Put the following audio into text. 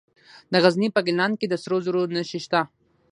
د غزني په ګیلان کې د سرو زرو نښې شته.